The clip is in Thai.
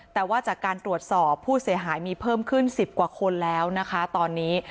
แต่ว่าจากการตรวจสอบผู้เสียหายมีเพิ่มขึ้น๑๐กว่าคนแล้วนะคะตอนนี้